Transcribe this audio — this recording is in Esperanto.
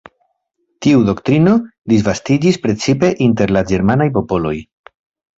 Tiu doktrino disvastiĝis precipe inter la ĝermanaj popoloj.